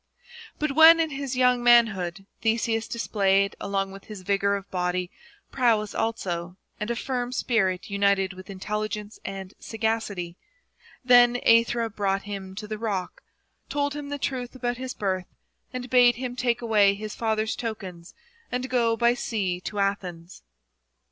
But when, in his young manhood, Theseus displayed, along with his vigour of body, prowess also, and a firm spirit united with intelli _ gence and sagacity, then Aethra brought him to the rock, told him the truth about his birth, and bade him take away his father's tokens and go by sea to Athens.